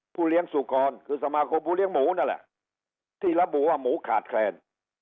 เลี้ยงสุกรคือสมาคมผู้เลี้ยงหมูนั่นแหละที่ระบุว่าหมูขาดแคลน